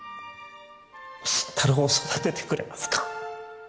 心太朗を育ててくれますか？